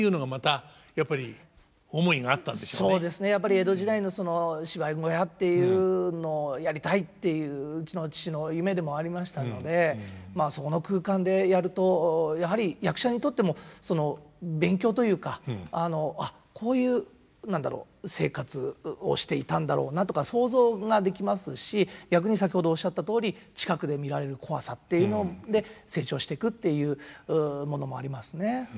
やっぱり江戸時代の芝居小屋っていうのをやりたいっていううちの父の夢でもありましたのでまあそこの空間でやるとやはり役者にとっても勉強というか「あっこういう何だろう生活をしていたんだろうな」とか想像ができますし逆に先ほどおっしゃったとおり近くで見られる怖さっていうので成長していくっていうものもありますね。